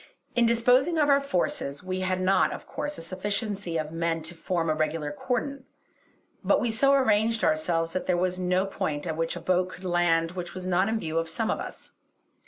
In disposing of our forces, we had not of course a sufficiency of men to form a regular cordon; but we so arranged ourselves that there was no point at which a boat could land which was not in view of some of us.